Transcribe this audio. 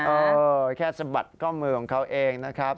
เออแค่สะบัดข้อมือของเขาเองนะครับ